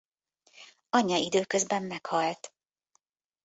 Anyja időközben meghalt.